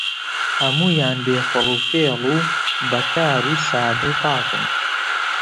هەموویان بێ فڕوفێڵ و بەکار و سادە و پاکن